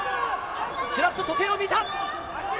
チラっと時計を見た。